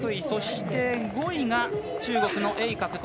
そして５位が中国の栄格。